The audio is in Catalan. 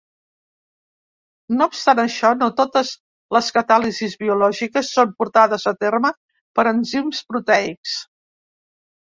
No obstant això, no totes les catàlisis biològiques són portades a terme per enzims proteics.